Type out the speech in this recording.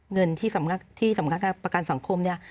เงินที่สำนักงานประกันสังคมเนี่ย